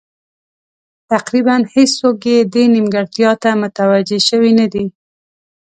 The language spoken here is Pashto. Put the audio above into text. تقریبا هېڅوک یې دې نیمګړتیا ته متوجه شوي نه دي.